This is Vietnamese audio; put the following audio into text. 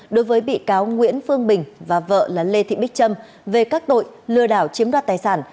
đối với bị cáo nguyễn phương bình và vợ lê thị bích trâm về các tội lừa đảo chiếm đoạt tài sản